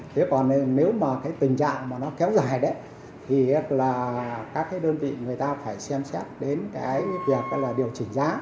thế còn nếu mà cái tình trạng mà nó kéo dài đấy thì là các cái đơn vị người ta phải xem xét đến cái việc là điều chỉnh giá